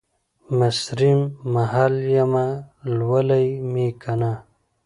مصریم ، محل یمه ، لولی مې کنه